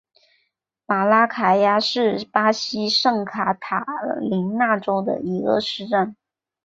马拉卡雅是巴西圣卡塔琳娜州的一个市镇。